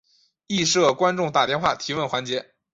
亦设观众打电话提问环节。